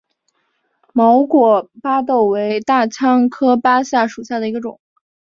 毛果巴豆为大戟科巴豆属下的一个种。